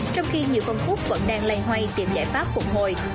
trong khi nhiều phân khúc vẫn đang loay hoay tìm giải pháp phục hồi